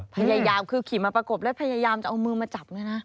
พยายามคือขี่มาประกบแล้วพยายามจะเอามือมาจับเนี่ยนะ